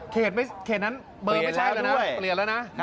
เขตนั้นเปลี่ยนแล้วนะ